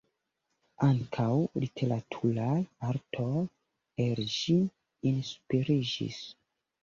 Ankaŭ literaturaj artoj el ĝi inspiriĝis.